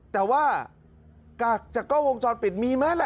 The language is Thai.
แต่ว่ากากจากกล้องวงจรปิดมีมั้ยล่ะ